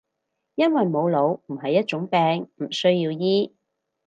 因為冇腦唔係一種病，唔需要醫